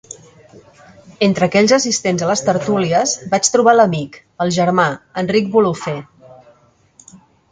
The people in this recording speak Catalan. Entre aquells assistents a les tertúlies, vaig trobar l'amic, el germà, Enric Bolufer.